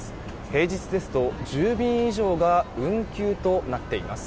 平日ですと１０便以上が運休となっています。